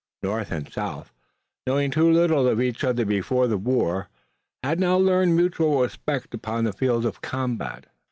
North and South, knowing too little of each other before the war, had now learned mutual respect upon the field of combat.